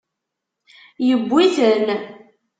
Yewwi-ten.